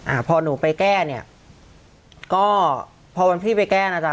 อ่าพอหนูไปแก้เนี้ยก็พอวันที่ไปแก้นะจ๊